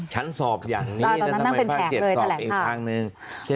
ฉันสอบอย่างนี้แล้วทำไมภาค๗สอบอีกทางหนึ่ง